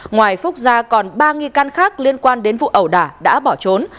ngoài phúc gia còn ba nghi can khác liên quan đến vụ ẩu đả đã bỏ trốn